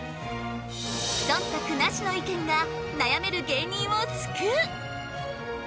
そんたくなしの意見が悩める芸人を救う！